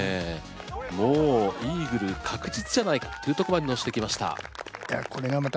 もうイーグル確実じゃないかというとこまで乗してきました。